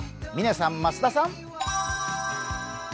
嶺さん、増田さん？